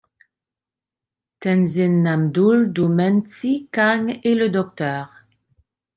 Tenzin Namdul du Men Tsee Khang et le Dr.